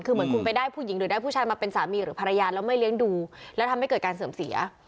คือเหมือนคุณไปได้ผู้หญิงหรือได้ผู้ชายมาเป็นสามีหรือภรรยาแล้วไม่เลี้ยงดูแล้วทำให้เกิดการเสื่อมเสีย